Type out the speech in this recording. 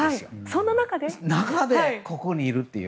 そんな中でここにいるという。